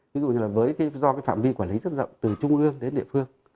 ví dụ như là với do cái phạm vi quản lý rất rộng từ trung ương đến địa phương